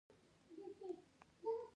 خدمت ولې ویاړ دی؟